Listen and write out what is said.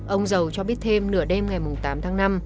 ông dầu cho biết thêm nửa đêm ngày tám tháng năm